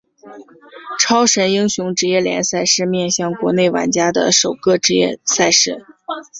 超神英雄职业联赛是面向国内玩家的首个职业赛事。